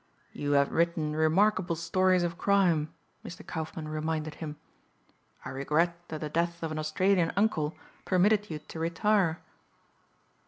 "You have written remarkable stories of crime," Mr. Kaufmann reminded him. "I regret that the death of an Australian uncle permitted you to retire."